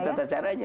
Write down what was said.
ada tata caranya